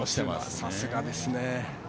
さすがですね。